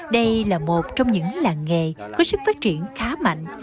đây là một trong những làng nghề có sức phát triển khá mạnh